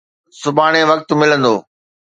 سڀاڻي وقت ملندو.